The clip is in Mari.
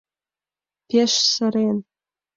Пеш сырен.